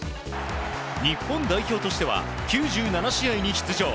日本代表としては９７試合に出場。